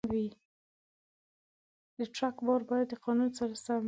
د ټرک بار باید د قانون سره سم وي.